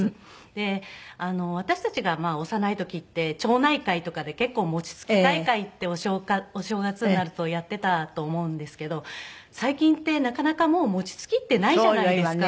で私たちが幼い時って町内会とかで結構餅つき大会ってお正月になるとやっていたと思うんですけど最近ってなかなかもう餅つきってないじゃないですか。